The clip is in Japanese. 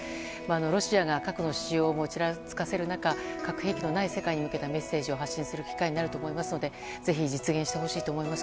ロシアが核の使用をちらつかせる中核兵器のない世界に向けたメッセージを発信する機会になると思うのでぜひ実現してほしいと思います。